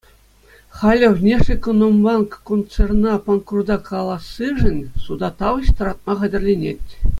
Халӗ «Внешэкономбанк» концерна панкрута калассишӗн суда тавӑҫ тӑратма хатӗрленет.